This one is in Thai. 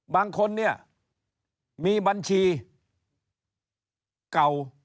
บางคนเนี่ยมีบัญชีเก่า